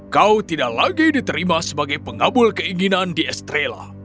kau tidak lagi diterima sebagai pengabul keinginan di estrella